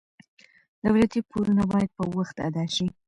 دولتي پورونه باید په وخت ادا شي.